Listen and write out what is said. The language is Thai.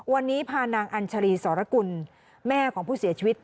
วันนี้พานางอัญชรีสรกุลแม่ของผู้เสียชีวิต